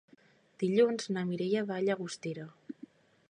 Dilluns na Mireia va a Llagostera.